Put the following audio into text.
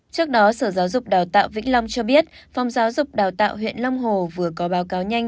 trước đó sở giáo dục đào tạo vĩnh long cho biết phòng giáo dục đào tạo huyện long hồ vừa có báo cáo nhanh